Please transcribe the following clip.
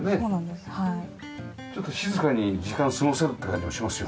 ちょっと静かに時間過ごせるって感じもしますよね。